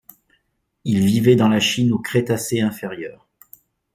Il vivait dans la Chine au Crétacé inférieur.